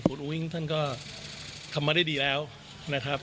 ฟูตรอู้หวิ้งก็ทำมาได้ดีแล้วนะครับ